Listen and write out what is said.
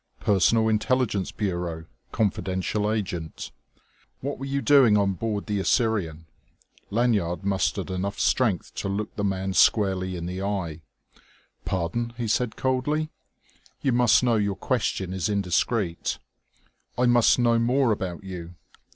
"Personal Intelligence Bureau confidential agent." "What were you doing on board the Assyrian?" Lanyard mustered enough strength to look the man squarely in the eye. "Pardon," he said coldly. "You must know your question is indiscreet." "I must know more about you."